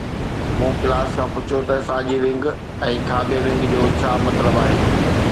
مون ڪلاس کان پڇيو ته ساڄي ونگ ۽ کاٻي ونگ جو مطلب ڇا آهي؟